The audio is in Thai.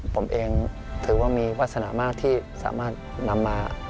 ผมเองถือว่ามีวาสนามากที่สามารถนำมา